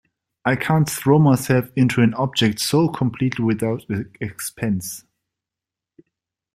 I can't throw myself into an object so completely without expense.